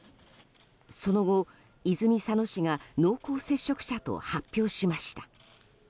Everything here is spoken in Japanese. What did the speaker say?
その後、泉佐野市が濃厚接触者と発表しました。